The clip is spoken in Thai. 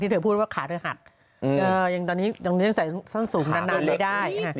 เธอพูดว่าขาเธอหักตอนนี้ยังใส่สั้นสูงนานไม่ได้